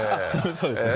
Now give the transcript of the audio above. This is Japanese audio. そうですね